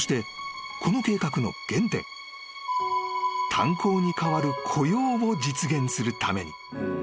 ［炭鉱にかわる雇用を実現するために］